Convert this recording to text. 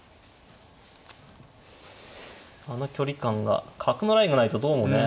あの距離感が角のラインがないとどうもね